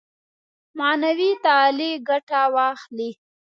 معنوي تعالي ګټه واخلي.